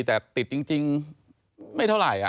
แต่ติดจริงไม่เท่าไหร่